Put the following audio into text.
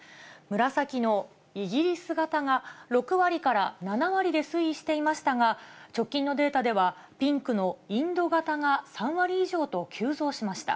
紫のイギリス型が、６割から７割で推移していましたが、直近のデータでは、ピンクのインド型が３割以上と、急増しました。